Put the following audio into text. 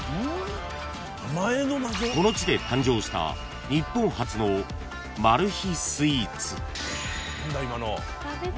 ［この地で誕生した日本発のマル秘スイーツ］